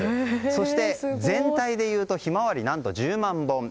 そして、全体でいうとヒマワリ何と１０万本。